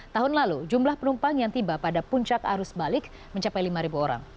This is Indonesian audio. tahun lalu jumlah penumpang yang tiba pada puncak arus balik mencapai lima orang